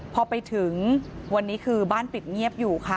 พอไปถึงวันนี้คือบ้านปิดเงียบอยู่ค่ะ